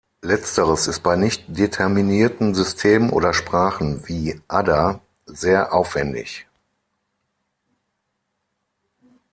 Letzteres ist bei nicht-determinierten Systemen oder Sprachen, wie Ada, sehr aufwendig.